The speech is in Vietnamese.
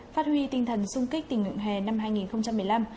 phát huy tinh thần sung kích tình nguyện hè năm hai nghìn một mươi năm